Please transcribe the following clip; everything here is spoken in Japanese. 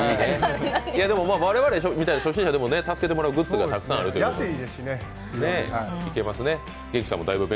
我々みたいな初心者でも助けてもらうグッズがたくさんあるということで行けますね。